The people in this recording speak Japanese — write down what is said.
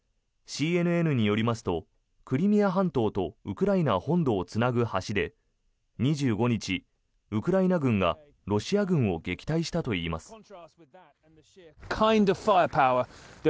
ＣＮＮによりますとクリミア半島とウクライナ本土をつなぐ橋で２５日、ウクライナ軍がロシア軍を撃退したといいます。